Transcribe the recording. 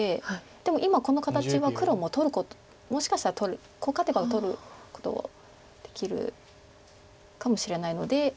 でも今この形は黒ももしかしたらコウ勝てば取ることできるかもしれないので。